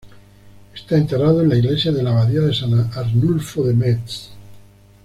Está enterrado en la Iglesia de la Abadía de San Arnulfo de Metz.